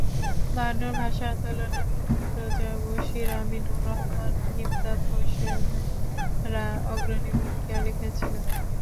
বায়ান্নর ভাষা আন্দোলনে মুর্তজা বশীর, আমিনুর রহমান, ইমদাদ হোসেনরা অগ্রণী ভূমিকা রেখেছিলেন।